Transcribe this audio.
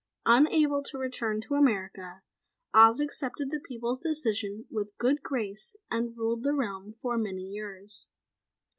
Unable to return to America, Oz accepted the people's decision with good grace and ruled the realm for many years.